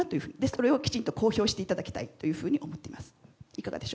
それをきちんと公表していただきたいと思っています。